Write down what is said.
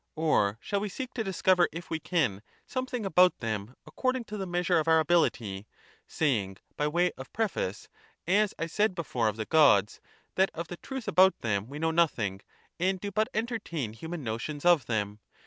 or shall we seek to discover, if we can, something about them, according to the measure of our ability, saying by way of preface, as I said before of the Gods, that of the truth about them we know nothing, and do but entertain human notions of them.